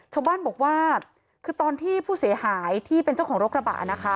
ชาวบ้านบอกว่าคือตอนที่ผู้เสียหายที่เป็นเจ้าของรถกระบะนะคะ